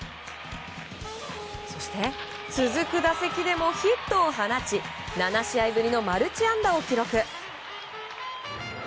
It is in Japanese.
続く打席でもヒットを放ち７試合ぶりのマルチ安打を記録。